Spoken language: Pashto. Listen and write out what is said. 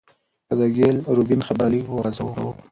که د ګيل روبين خبره لږه وغزوو